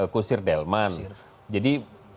kusir delman jadi